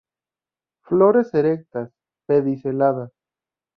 Flores erectas, pediceladas.